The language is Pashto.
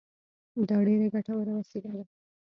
دا ډېره ګټوره وسیله وه